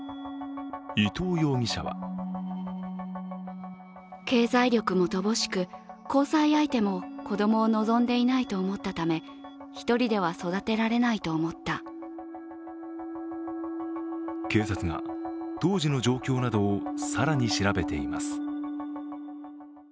伊藤容疑者は警察が当時の状況などを更に調べています。